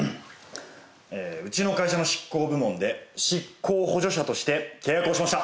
うちの会社の執行部門で執行補助者として契約をしました。